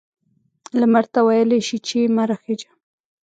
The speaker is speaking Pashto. لمر ته ویلای شي چې مه را خیژه؟